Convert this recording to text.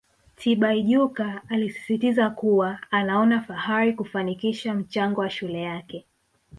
Tibaijuka alisisitiza kuwa anaona fahari kufanikisha mchango wa shule yake